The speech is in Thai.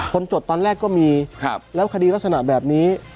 จดตอนแรกก็มีแล้วคดีลักษณะแบบนี้